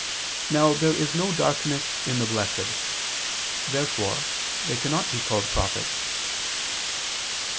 Now there is no darkness in the blessed. Therefore they cannot be called prophets.